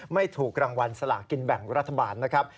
ไม่ถูกรางวัลสลากินแบ่งรัฐบาลนะครับ